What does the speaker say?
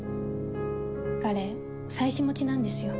彼妻子持ちなんですよ。